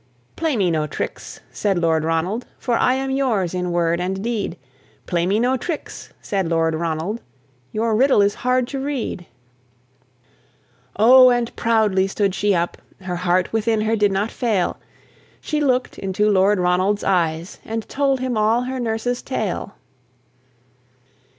"Play me no tricks," said Lord Ronald, "For I am yours in word and in deed. Play me no tricks," said Lord Ronald, "Your riddle is hard to read." O and proudly stood she up! Her heart within her did not fail: She look'd into Lord Ronald's eyes, And told him all her nurse's tale.